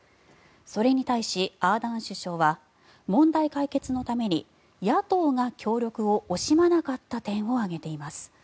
それに対し、アーダーン首相は問題解決のために野党が協力を惜しまなかった点を挙げています。